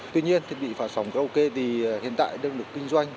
tuy nhiên thiết bị phá sóng karaoke thì hiện tại đang được kinh doanh